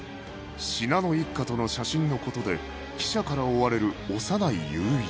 信濃一家との写真の事で記者から追われる小山内雄一